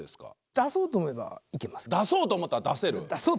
出そうと思ったら出せる？